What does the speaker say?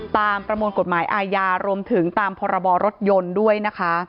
ประมวลกฎหมายอาญารวมถึงตามพรบรถยนต์ด้วยนะคะ